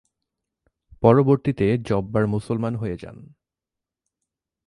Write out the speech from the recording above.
পরবর্তীতে জব্বার মুসলমান হয়ে যান।